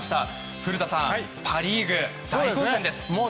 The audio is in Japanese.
古田さん、パ・リーグ大混戦です。